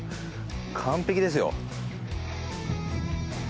完璧ですよ。